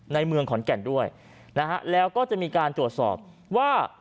เมืองขอนแก่นด้วยนะฮะแล้วก็จะมีการตรวจสอบว่า